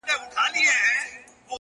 د افغانیت او پښتونولۍ دوه داسي